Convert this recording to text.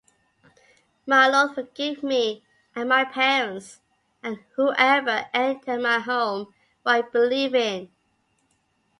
My Lord forgive me and my parents, and whoever entered my home while believing.